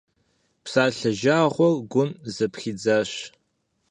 Псалъэ жагъуэр гум зэпхидзащ.